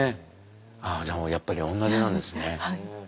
じゃあやっぱり同じなんですね。